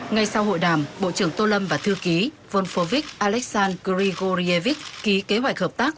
ngay sau hội đàm bộ trưởng tô lâm và thư ký volfovic alexan grigorievic ký kế hoạch hợp tác